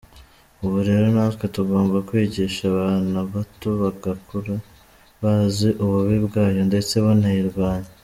Ubu rero natwe tugomba kwigisha abana bato bagakura bazi ububi bwayo ndetse banayirwanya.